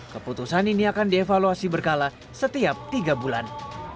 keputusan ini akan dievaluasi berkala setiap tiga bulan